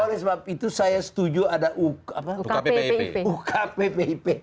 oleh sebab itu saya setuju ada ukppip